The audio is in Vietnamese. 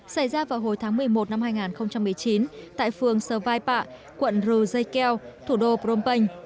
xảy ra vào hồi tháng một mươi một năm hai nghìn một mươi chín tại phường sơ vai pạ quận rưu dây keo thủ đô phnom penh